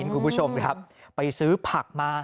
คุณผู้ชมครับไปซื้อผักมา